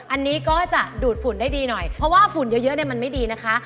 อันนี้ก็จะดูดฝุ่นได้ดีหน่อยเพราะว่าฝุ่นเยอะเนี่ยมันไม่ดีนะคะ